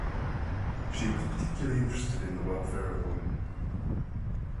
She was particularly interested in the welfare of women.